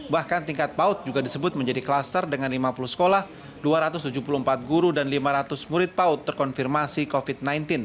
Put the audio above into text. bahkan tingkat paut juga disebut menjadi kluster dengan lima puluh sekolah dua ratus tujuh puluh empat guru dan lima ratus murid paut terkonfirmasi covid sembilan belas